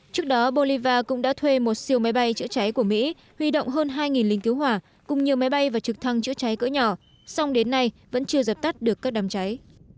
trước đó bolivar cũng đã thuê một siêu máy bay chữa cháy của mỹ huy động hơn hai lính cứu hỏa cùng nhiều máy bay và trực thăng chữa cháy cỡ nhỏ song đến nay vẫn chưa dập tắt được các đám cháy